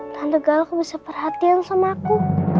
tante galak bisa perhatian sama aku